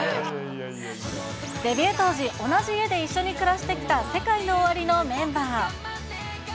デビュー当時、同じ家で一緒に暮らしてきたセカイノオワリのメンバー。